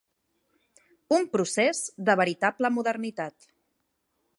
Un procés de veritable modernitat.